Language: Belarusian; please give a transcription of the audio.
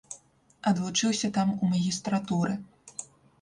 Адвучыўся там у магістратуры.